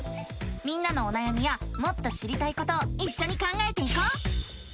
みんなのおなやみやもっと知りたいことをいっしょに考えていこう！